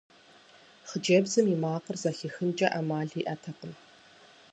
Хъыджэбзым и макъыр зэхихынкӀэ Ӏэмал иӀэтэкъым.